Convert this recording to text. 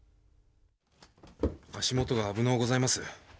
足元が危のうございます。